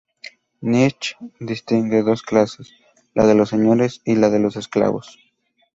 Nietzsche distingue dos clases: la de los señores y la de los esclavos.